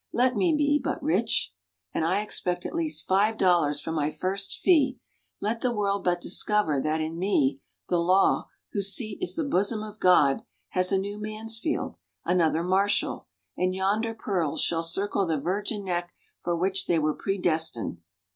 Let me but be rich and I expect at least five dollars for my first fee let the world but discover that in me the Law, whose seat is the bosom of God, has a new Mansfield, another Marshall, and yonder pearls shall circle the virgin neck for which they were predestined.